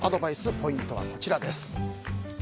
ポイントはこちらです。